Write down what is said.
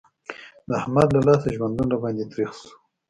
د احمد له لاسه ژوندون را باندې تريخ شو.